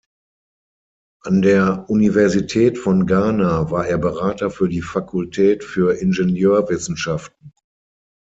An der Universität von Ghana war er Berater für die Fakultät für Ingenieurwissenschaften.